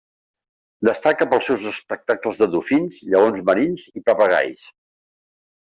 Destaca pels seus espectacles de dofins, lleons marins i papagais.